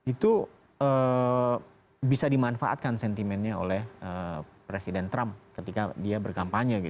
itu bisa dimanfaatkan sentimennya oleh presiden trump ketika dia berkampanye